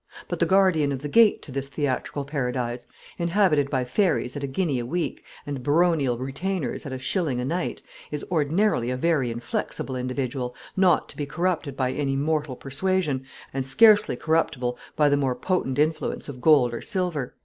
But the guardian of the gate to this theatrical paradise, inhabited by fairies at a guinea a week, and baronial retainers at a shilling a night, is ordinarily a very inflexible individual, not to be corrupted by any mortal persuasion, and scarcely corruptible by the more potent influence of gold or silver.